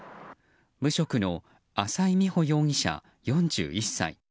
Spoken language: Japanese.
無職の浅井美穂容疑者、４１歳。